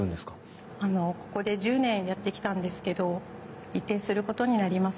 あのここで１０年やってきたんですけど移転することになります。